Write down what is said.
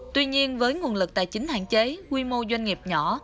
tuy nhiên với nguồn lực tài chính hạn chế quy mô doanh nghiệp nhỏ